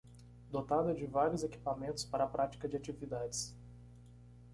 Dotada de vários equipamentos para a prática de atividades.